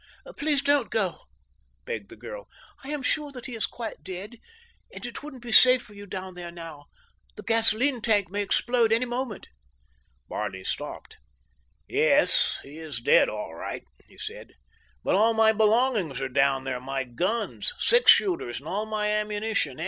"Please don't go," begged the girl. "I am sure that he is quite dead, and it wouldn't be safe for you down there now. The gasoline tank may explode any minute." Barney stopped. "Yes, he is dead all right," he said, "but all my belongings are down there. My guns, six shooters and all my ammunition.